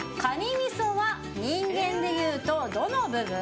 みそは人間でいうとどの部分？